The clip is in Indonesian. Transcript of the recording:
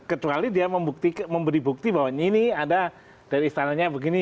kecuali dia memberi bukti bahwa ini ada dari istananya begini